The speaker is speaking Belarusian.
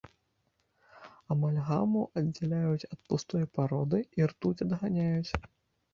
Амальгаму аддзяляюць ад пустой пароды, і ртуць адганяюць.